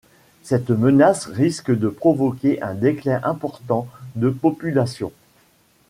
Cette menace risque de provoquer un déclin important de populations.